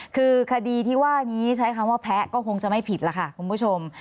คือคดีที่ว่านี้ใช้คำว่าแพ้ก็คงจะไม่ผิดล่ะค่ะคุณผู้ชม